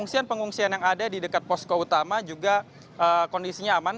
pengungsian pengungsian yang ada di dekat posko utama juga kondisinya aman